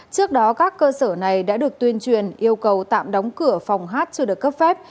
trước đó các cơ sở này đã được tuyên truyền yêu cầu tạm đóng cửa phòng hát chưa được cấp phép